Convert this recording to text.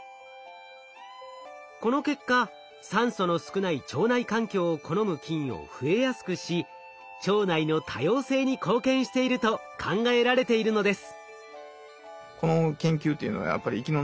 この結果酸素の少ない腸内環境を好む菌を増えやすくし腸内の多様性に貢献していると考えられているのです。